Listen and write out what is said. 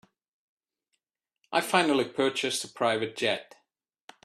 I finally purchased a private jet.